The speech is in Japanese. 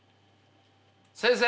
先生。